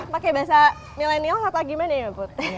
pake bahasa millenials atau gimana ya put